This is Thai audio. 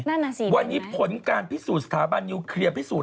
นั่นน่ะสิวันนี้ผลการพิสูจน์สถาบันนิวเคลียร์พิสูจน